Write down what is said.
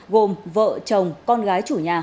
gồm vợ chồng con gái chủ nhà